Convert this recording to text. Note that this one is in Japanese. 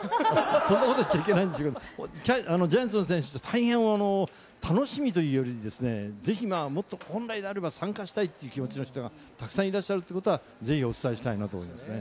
そんなこと言っちゃいけないんでしょうけど、ジャイアンツの選手、大変楽しみというよりですね、ぜひもっと本来であれば参加したいという気持ちの人がたくさんいらっしゃるっていうことは、ぜひお伝えしたいなと思いますね。